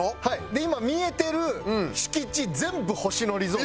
で今見えてる敷地全部星野リゾートです。